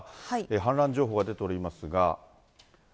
氾濫情報が出ておりますが。